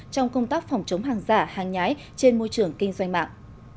trong công tác phòng chống hàng giả hàng nhái trên môi trường kinh doanh mạng